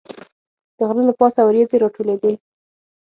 د غره له پاسه وریځې راټولېدې.